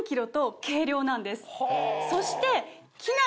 そして。